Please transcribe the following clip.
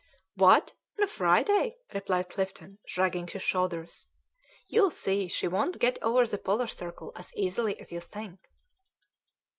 "What! on a Friday?" replied Clifton, shrugging his shoulders. "You'll see she won't get over the Polar circle as easily as you think."